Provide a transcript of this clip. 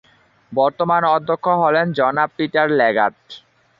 বর্তমান অধ্যক্ষ হলেন জনাব পিটার লেগাট।